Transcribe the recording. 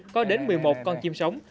có đến một mươi một con chim sống